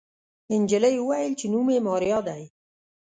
نجلۍ وويل چې نوم يې ماريا دی.